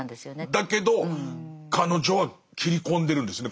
だけど彼女は切り込んでるんですね